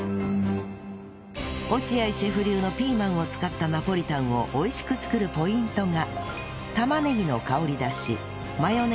落合シェフ流のピーマンを使ったナポリタンを美味しく作るポイントが